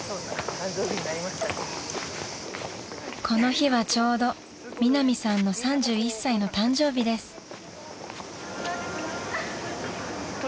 ［この日はちょうどミナミさんの３１歳の誕生日です］